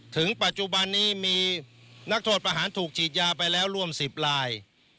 ถึงปัจจุบันนี้มีนักโทษประหารถูกฉีดยาไปแล้วร่วม๑๐ลาย